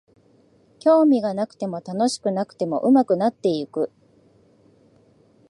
興味がなくても楽しくなくても上手くなっていく